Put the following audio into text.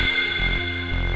tetapi dialihkan ke orang lain